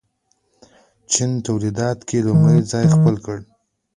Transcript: چین تولیداتو کې لومړی ځای خپل کړ.